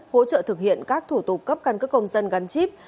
hỗ trợ thực hiện các thủ tục cấp căn cước công dân gắn chip